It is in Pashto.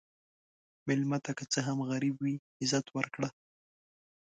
مېلمه ته که څه هم غریب وي، عزت ورکړه.